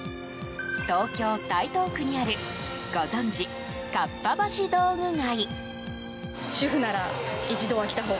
東京・台東区にあるご存知、かっぱ橋道具街。